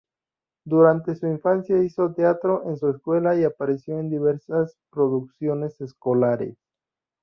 Durante su infancia hizo teatro en su escuela y apareció en diversas producciones escolares.